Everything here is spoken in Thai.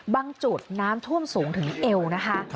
จุดน้ำท่วมสูงถึงเอวนะคะ